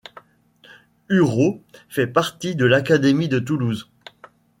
Urau fait partie de l'académie de Toulouse.